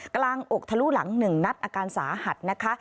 อกทะลุหลัง๑นัดอาการสาหัสนะคะ